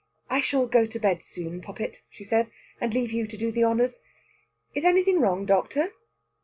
"I shall go to bed soon, poppet," she says, "and leave you to do the honours. Is anything wrong, doctor?"